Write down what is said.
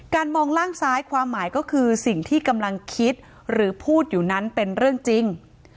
มองล่างซ้ายความหมายก็คือสิ่งที่กำลังคิดหรือพูดอยู่นั้นเป็นเรื่องจริง